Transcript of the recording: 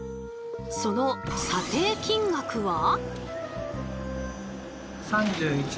その査定金額は。